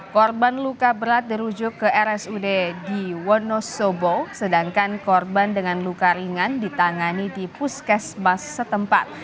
korban luka berat dirujuk ke rsud di wonosobo sedangkan korban dengan luka ringan ditangani di puskesmas setempat